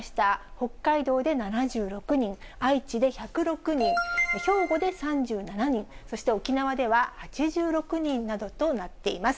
北海道で７６人、愛知で１０６人、兵庫で３７人、そして沖縄では８６人などとなっています。